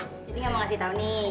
jadi nggak mau ngasih tau nih